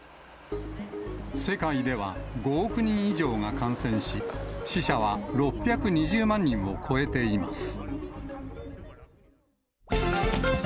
世界では、５億人以上が感染し、死者は６２０万人を超えています。